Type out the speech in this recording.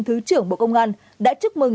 thứ trưởng bộ công an đã chúc mừng